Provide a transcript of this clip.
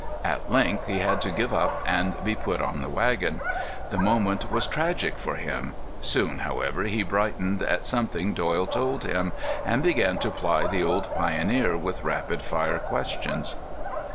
At length he had to give up and be put on the wagon. The moment was tragic for him. Soon, however, he brightened at something Doyle told him, and began to ply the old pioneer with rapid fire questions.